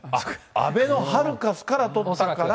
あべのハルカスから撮ったから。